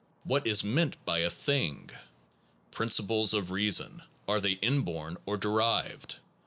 What is meant by a thing ? Principles of reason, are they inborn or derived?